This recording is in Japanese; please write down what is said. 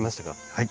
はい。